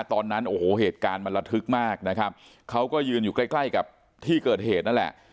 ตอนนั้นโอ้โหเหตุการณ์มันระทึกมากนะครับเขาก็ยืนอยู่ใกล้ใกล้กับที่เกิดเหตุนั่นแหละ